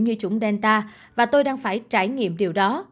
như chủng delta và tôi đang phải trải nghiệm điều đó